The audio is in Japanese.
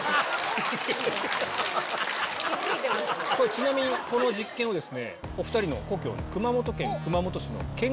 ちなみにこの実験をお２人の故郷の。